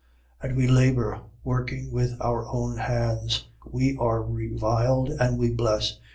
4:12. And we labour, working with our own hands. We are reviled: and we bless.